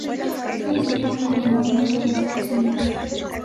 Se desintegran cuando maduran para lanzar las semillas.